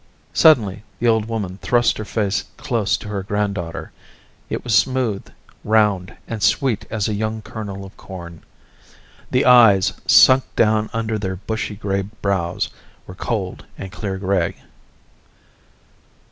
Suddenly the old woman thrust her face close to her granddaughter. It was smooth, round, and sweet as a young kernel of corn. The eyes, sunk down under the bushy grey brows, were cold and clear grey.